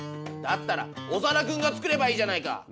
だったらオサダくんが作ればいいじゃないか！